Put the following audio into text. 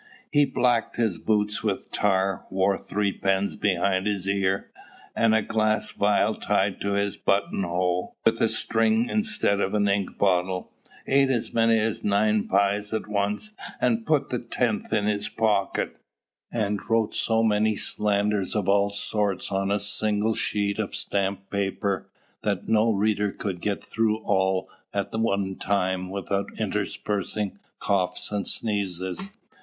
He blacked his boots with tar, wore three pens behind his ear, and a glass vial tied to his buttonhole with a string instead of an ink bottle: ate as many as nine pies at once, and put the tenth in his pocket, and wrote so many slanders of all sorts on a single sheet of stamped paper that no reader could get through all at one time without interspersing coughs and sneezes.